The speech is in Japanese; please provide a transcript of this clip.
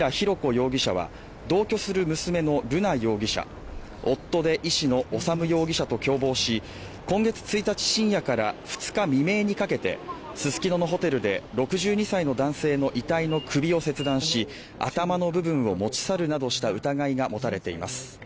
容疑者は同居する娘の瑠奈容疑者夫で医師の修容疑者と共謀し今月１日深夜から２日未明にかけてススキノのホテルで６２歳の男性の遺体の首を切断し頭の部分を持ち去るなどした疑いが持たれています